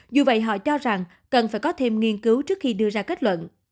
dù vậy họ cho rằng cần phải có thêm nghiên cứu trước khi đưa ra kết luận